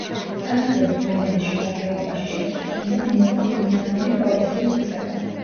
სამეფო დომენის შემადგენლობაში შესვლის შემდეგ მიიღო თვითმმართველი პროვინციის უფლება.